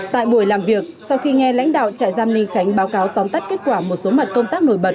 tại buổi làm việc sau khi nghe lãnh đạo trại giam ly khánh báo cáo tóm tắt kết quả một số mặt công tác nổi bật